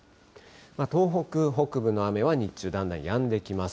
東北北部の雨は日中、だんだんやんできます。